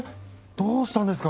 どうしたんですか？